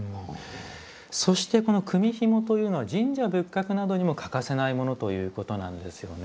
そしてこの組みひもというのは神社仏閣などにも欠かせないものということなんですよね。